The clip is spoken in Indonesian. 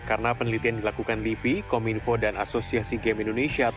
karena penelitian dilakukan lipi kominfo dan asosiasi game indonesia